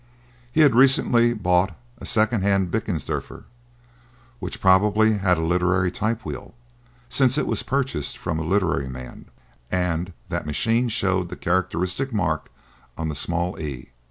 He had recently bought a second hand Blickensderfer which probably had a literary typewheel, since it was purchased from a literary man; and that machine showed the characteristic mark on the small "e."